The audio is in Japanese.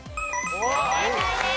正解です。